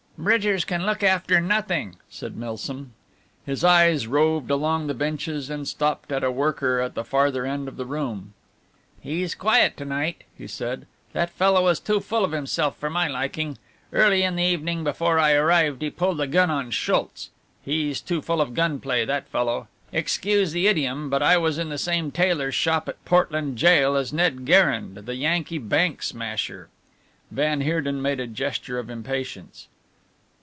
"Bridgers can look after nothing," said Milsom. His eyes roved along the benches and stopped at a worker at the farther end of the room. "He's quiet to night," he said, "that fellow is too full of himself for my liking. Earlier in the evening before I arrived he pulled a gun on Schultz. He's too full of gunplay that fellow excuse the idiom, but I was in the same tailor's shop at Portland Gaol as Ned Garrand, the Yankee bank smasher." Van Heerden made a gesture of impatience.